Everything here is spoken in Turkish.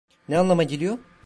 Ne anlama geliyor?